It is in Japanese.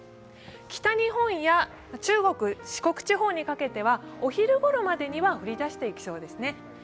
北日本や中国・四国地方にかけてはお昼ごろまでには降り出してきそうですね。